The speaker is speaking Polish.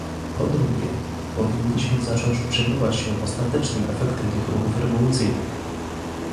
Po drugie, powinniśmy zacząć przejmować się ostatecznym efektem tych ruchów rewolucyjnych